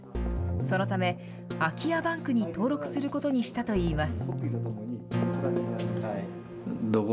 そのため空き家バンクに登録することにしたと言います。